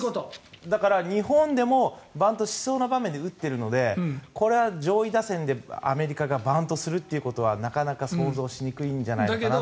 だから日本でもバントしそうな場面で打っているので上位打線でアメリカがバントするということはなかなか想像しにくいんじゃないかなっていうのは。